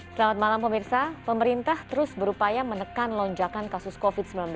selamat malam pemirsa pemerintah terus berupaya menekan lonjakan kasus covid sembilan belas